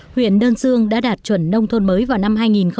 huyện đơn sương đã đạt chuẩn nông thôn mới vào năm hai nghìn một mươi năm